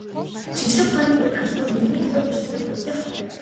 Шинжлэх ухааны бүрэг хандлагууд мөнгөний төлөөх өрсөлдөөнд ноцтой хохирдог.